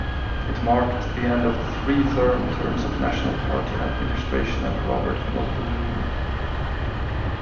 It marked the end of three terms of National Party administration under Robert Muldoon.